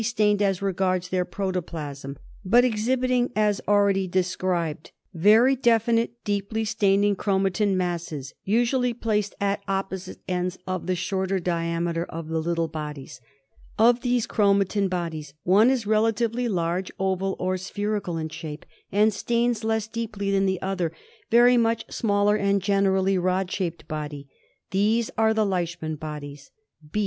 *i^^| stained as regards their ■gjtpN ' protoplasm, but exhi fr^ ™^^ biting, as already de ^ scribed, very definite deeply staining chro Leislinun bodies In phagoeyle. matin maSSeS, USUally iFrom a phoio hy u,, H. spiiia.) placed at opposite ends of the shorter diameter of the little bodies. Of these chromatin bodies one is relatively large, oval or spherical in shape, and stains less deeply than the other very much smaller and generally rod shaped body. These are the Leishman bodies.